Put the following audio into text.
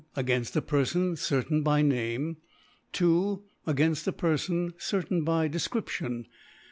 Againft a Perfon certain by Name, 2. Againft a Perfon certain by De ftription.